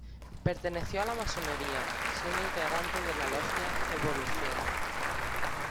Perteneció a la Masonería, siendo integrante de la logia "Evolución".